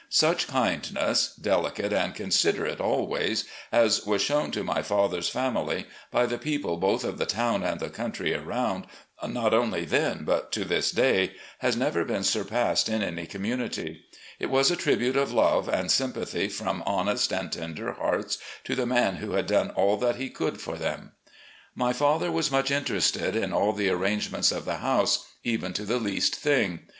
Such kindness — delicate and considerate always — as was shown to my father's family by the people, both of the town and the country around, not only then but to this day, has never been surpassed in any community. It was a tribute of love and sympathy from honest and tender hearts to the man who had done all that he could for them. My father was much interested in all the arrangements of the house, even to the least thing.